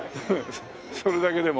それだけでも。